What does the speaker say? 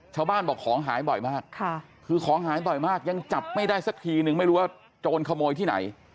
ชาวบ้านบอกของหายบ่อยมากคือของหายบ่อยมากยังจับไม่ได้สักทีนึงไม่รู้ว่าโจรขโมยที่ไหน